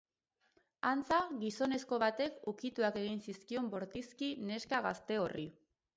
Antza, gizonezko batek ukituak egin zizkion bortizki neska gazte horri.